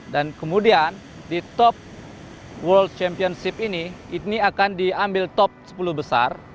dan kemudian di top world championship ini ini akan diambil top sepuluh besar